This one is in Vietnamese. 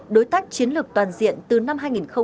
đối tác chiến lược toàn diện từ năm hai nghìn hai mươi hai